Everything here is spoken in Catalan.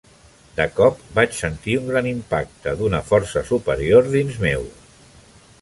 De cop, vaig sentir un gran impacte d'una força superior dins meu.